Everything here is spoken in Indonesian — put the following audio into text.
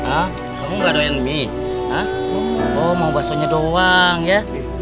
ah kamu enggak doyan mi ah oh mau basahnya doang ya